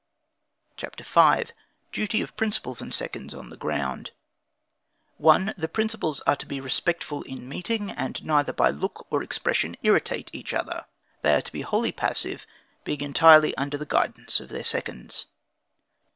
CHAPTER V. Duty of Principals and Seconds on the Ground. 1. The principals are to be respectful in meeting, and neither by look or expression irritate each other. They are to be wholly passive, being entirely under the guidance of their seconds.